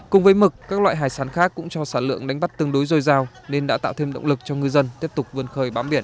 cùng với mực các loại hải sản khác cũng cho sản lượng đánh bắt tương đối dôi dào nên đã tạo thêm động lực cho ngư dân tiếp tục vươn khơi bám biển